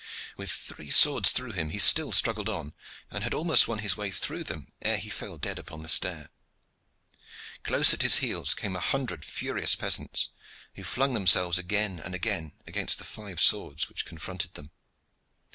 With three swords through him he still struggled on, and had almost won his way through them ere he fell dead upon the stair. Close at his heels came a hundred furious peasants, who flung themselves again and again against the five swords which confronted them.